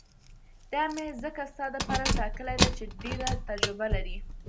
دا مې ځکه ستا دپاره ټاکلې ده چې ډېره تجربه لري.